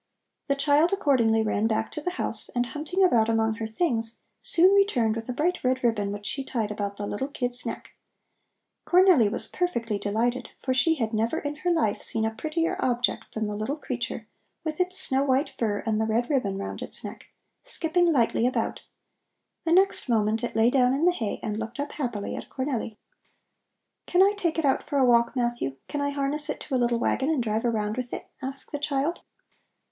The child accordingly ran back to the house, and hunting about among her things, soon returned with a bright red ribbon which she tied about the little kid's neck. Cornelli was perfectly delighted, for she had never in her life seen a prettier object than the little creature with its snow white fur and the red ribbon round its neck, skipping lightly about. The next moment it lay down in the hay and looked up happily at Cornelli. "Can I take it out for a walk, Matthew? Can I harness it to a little wagon and drive around with it?" asked the child.